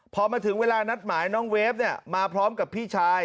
พอมาถึงเวลานัดหมายน้องเวฟมาพร้อมกับพี่ชาย